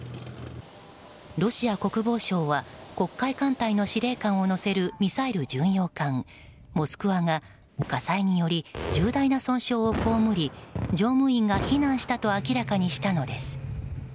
ロシア国防省は黒海艦隊の司令官を乗せるミサイル巡洋艦「モスクワ」が火災により重大な損害を被り乗務員が避難したと明らかにしたのです。